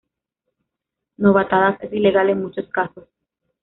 Novatadas es ilegal en muchos casos.